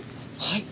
はい。